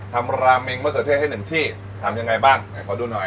ทำรามิงมะสะเทศให้หนึ่งที่ทำยังไงบ้างให้พอดูหน่อย